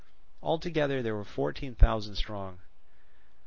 Altogether they were fourteen thousand strong.